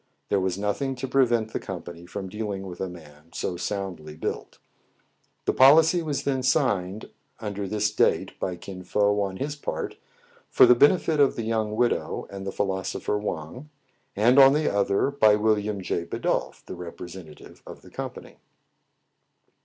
There was nothing to prevent the company from dealing with a man so soundly built. The policy was then signed under 68 TRIBULATIONS OF A CHINAMAN, this date by Kin Fo, on his part, for the benefit of the young widow and the philosopher Wang ; and, on the other, by William J. Bidulph, the represen tative of the company.